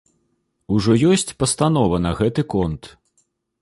Ужо ёсць пастанова на гэты конт.